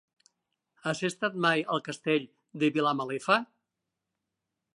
Has estat mai al Castell de Vilamalefa?